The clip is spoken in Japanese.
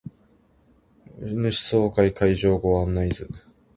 株主総会会場ご案内図